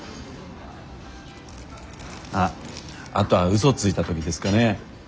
あっあとは嘘ついた時ですかね。